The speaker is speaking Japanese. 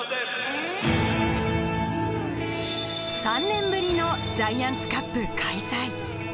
３年ぶりのジャイアンツカップ開催